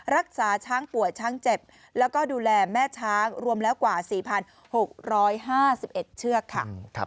รักษาช้างป่วยช้างเจ็บแล้วก็ดูแลแม่ช้างรวมแล้วกว่า๔๖๕๑เชือกค่ะ